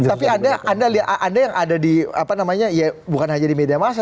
tapi anda yang ada di apa namanya ya bukan hanya di media masa